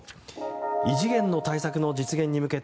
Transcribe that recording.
異次元の対策の実現に向けて